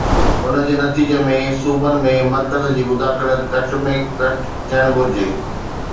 ان جي نتيجي ۾ صوبن ۾ مرڪز جي مداخلت گهٽ ۾ گهٽ ٿيڻ گهرجي.